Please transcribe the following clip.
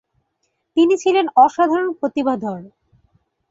তিনি ছিলেন অসাধারণ প্রতিভাধর।